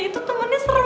itu temennya serem